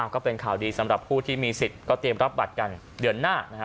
ก็เป็นข่าวดีสำหรับผู้ที่มีสิทธิ์ก็เตรียมรับบัตรกันเดือนหน้านะฮะ